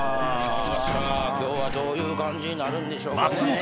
今日はどういう感じになるんでしょうね。